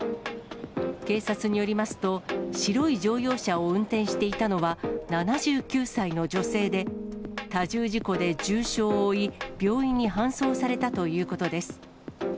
警察によりますと、白い乗用車を運転していたのは、７９歳の女性で、多重事故で重傷を負い、病院に搬送されたということです。